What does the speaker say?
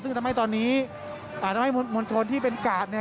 ซึ่งทำให้ตอนนี้ทำให้มวลชนที่เป็นกาศ